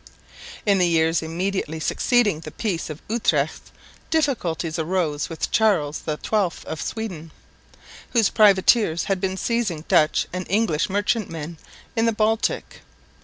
In the years immediately succeeding the Peace of Utrecht difficulties arose with Charles XII of Sweden; whose privateers had been seizing Dutch and English merchantmen in the Baltic.